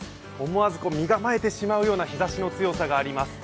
思わず身構えてしまうような日差しの強さがあります。